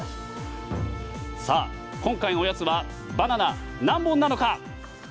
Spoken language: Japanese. さあ、今回のおやつはバナナ何本なのか？